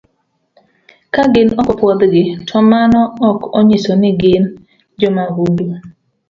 Gin ok opuodhgi to mano ok onyiso ni gin jomahundu.